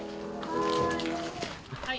はい。